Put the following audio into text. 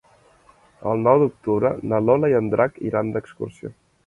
El nou d'octubre na Lola i en Drac iran d'excursió.